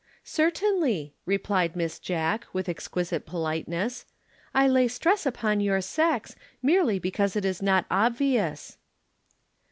"Certainly," replied Miss Jack, with exquisite politeness. "I lay stress upon your sex, merely because it is not obvious."